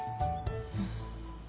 うん。